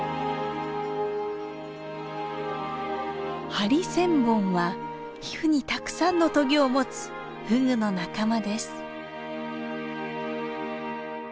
ハリセンボンは皮膚にたくさんのトゲを持つフグの仲間です。